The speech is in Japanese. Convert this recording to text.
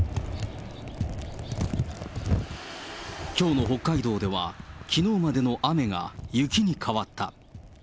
きょうの北海道では、きのうまでの雨が雪に変わった。